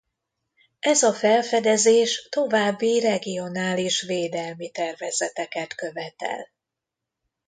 Ez a felfedezés további regionális védelmi tervezeteket követel.